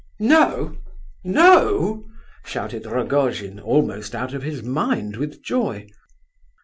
"No? No?" shouted Rogojin, almost out of his mind with joy.